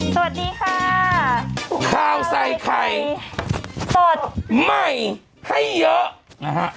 สวัสดีค่ะข้าวใส่ไข่สดใหม่ให้เยอะนะฮะ